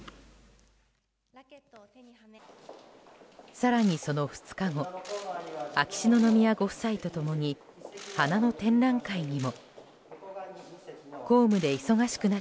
更にその２日後秋篠宮ご夫妻と共に花の展覧会にも。